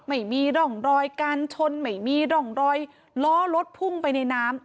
ไม่มีร่องรอยการชนไม่มีร่องรอยล้อรถพุ่งไปในน้ำ